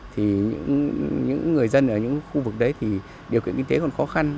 thì những người dân ở những khu vực đấy thì điều kiện kinh tế còn khó khăn